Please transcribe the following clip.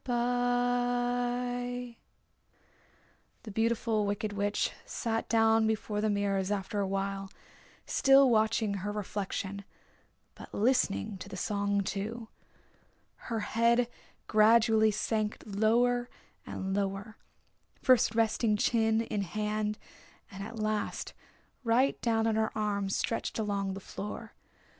The Beautiful Wicked Witch sat down before the mirrors after a while, still watching her reflection, but listening to the song, too. Her head gradually sank lower and lower, first resting chin in hand and at last right down on her arm stretched along the floor.